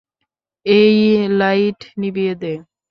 এই, লাইট নিভিয়ে দে।